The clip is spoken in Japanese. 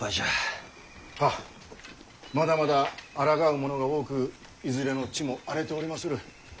まだまだあらがう者が多くいずれの地も荒れておりまする。